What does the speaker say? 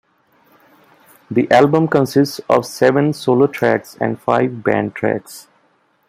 The album consists of seven solo tracks and five band tracks.